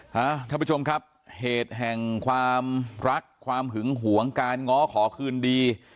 ท่านผู้ชมครับเหตุแห่งความรักความหึงหวงการง้อขอคืนดี